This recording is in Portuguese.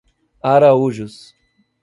Araújos